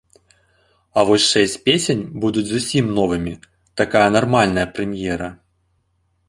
А вось шэсць песень будуць зусім новымі, такая нармальная прэм'ера!